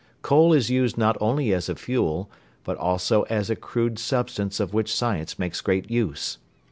Coal is used not only as a fuel, but also as a crude substance of which science makes great use.